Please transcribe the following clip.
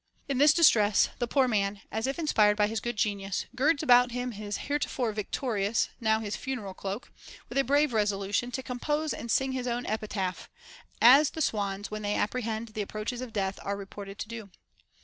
In this distress, the poor man (as if inspired by his good Genius) girds about him his heretofore victorious, now his funeral cloak, with a brave resolution to compose and sing his own epitaph, as the swans when they apprehend the ap proaches of death are reported to do.